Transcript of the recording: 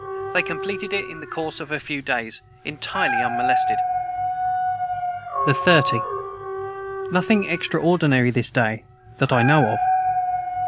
They completed it in the course of a few days, entirely unmolested.] the 30. Nothing extreordenary this day that I know of.